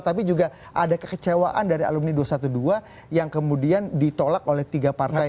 tapi juga ada kekecewaan dari alumni dua ratus dua belas yang kemudian ditolak oleh tiga partai